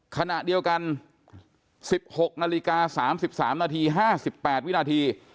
ขณะเดียวกัน๑๖นาฬิกา๓๓นาที๕๘วินาที